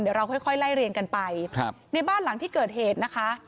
เดี๋ยวเราค่อยไล่เรียงกันไปครับในบ้านหลังที่เกิดเหตุนะคะ